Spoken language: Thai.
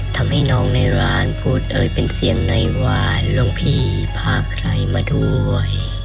ทำให้น้องในร้านพูดเอ่ยเป็นเสียงในวานหลวงพี่พาใครมาด้วย